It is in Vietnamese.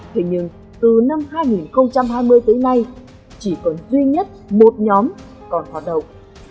thế nhưng từ năm hai nghìn hai mươi tới nay chỉ còn duy nhất một nhóm còn hoạt động